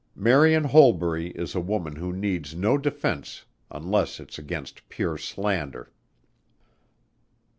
Marian Holbury is a woman who needs no defense unless it's against pure slander."